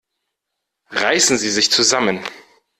Reißen Sie sich zusammen!